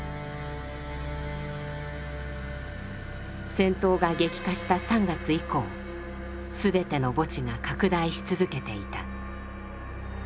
戦闘が激化した３月以降全ての墓地が拡大し続けていた。